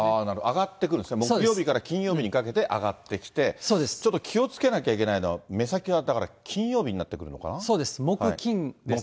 上がってくるんですね、木曜日から金曜日にかけて上がってきて、ちょっと気をつけなきゃいけないのは、目先はだから、そうです、木、金ですね。